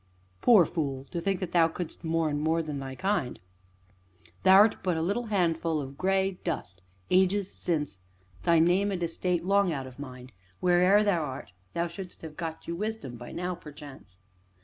Poor fool! to think that thou couldst mourn more than thy kind! Thou'rt but a little handful of gray dust, ages since, thy name and estate long out of mind; where'er thou art, thou shouldst have got you wisdom by now, perchance.